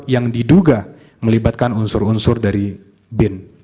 yang diduga melibatkan unsur unsur dari bin